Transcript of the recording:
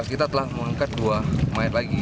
kita telah mengangkat dua pemain lagi